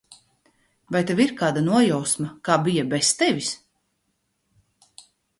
Vai tev ir kāda nojausma, kā bija bez tevis?